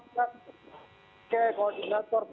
dikembangkan ke koordinator